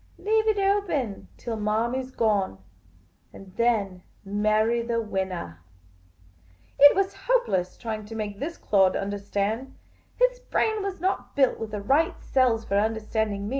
Leave it open till Manny 's gone, and then marry the winnah ?" It was hopeless trying to make this clod understand. His brain was not built with the right cells for understanding me.